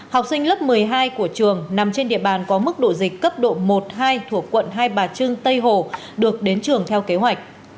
học sinh lớp một mươi hai của trường nằm trên địa bàn có mức độ dịch cấp độ một hai thuộc quận hai bà trưng tây hồ được đến trường theo kế hoạch